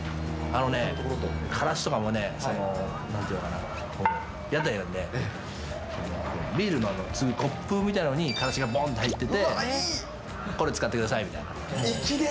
あのね、からしとかもね、なんていうのかな、屋台なんで、ビールのコップみたいなのにからしがぼんと入ってて、これ使ってくださいみたいな。